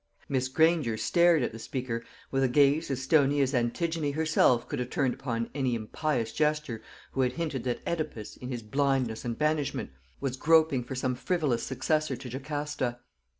Miss Granger stared at the speaker with a gaze as stony as Antigone herself could have turned upon any impious jester who had hinted that Oedipus, in his blindness and banishment, was groping for some frivolous successor to Jocasta.